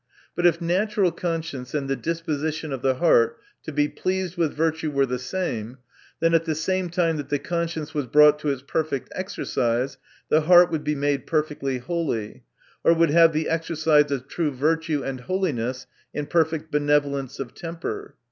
But if natural conscience, arid the disposition of the heart to be pleased with virtue, were the same, then at the same time that the conscience was brought to its perfect exercise, the heart would be made perfectly holy ; or, would have the exercise of true virtue and holiness in perfect benevolence of temper.